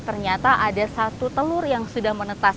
ternyata ada satu telur yang sudah menetas